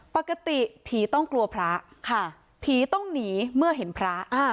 ปกติผีต้องกลัวพระค่ะผีต้องหนีเมื่อเห็นพระ